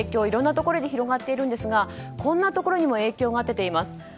いろんなところで広がっているんですがこんなところにも影響が出ています。